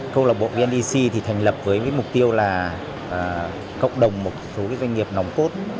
công lộc bộ vndc thành lập với mục tiêu là cộng đồng một số doanh nghiệp nóng cốt